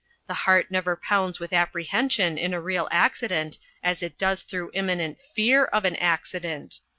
The heart never pounds with apprehension in a real accident as it does through imminent fear of an accident.